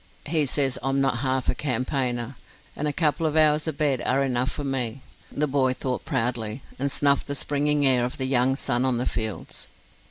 "He says I'm not half a campaigner, and a couple of hours of bed are enough for me," the boy thought proudly, and snuffed the springing air of the young sun on the fields.